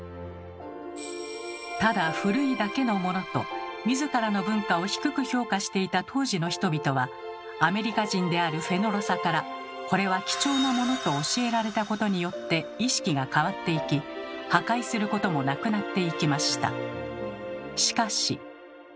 「ただ古いだけのもの」と自らの文化を低く評価していた当時の人々はアメリカ人であるフェノロサから「これは貴重なもの」と教えられたことによって意識が変わっていき破壊することもなくなっていきました。